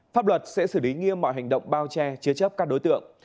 pháp luật sẽ xử lý nghiêm mọi hành động bao che chứa chấp các đối tượng